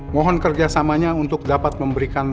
mohon kerjasamanya untuk dapat memberikan